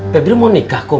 febri mau nikah kum